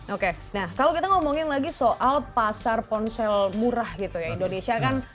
oke nah kalau kita ngomongin lagi soal pasar ponsel murah gitu ya indonesia kan